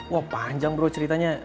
wah panjang bro ceritanya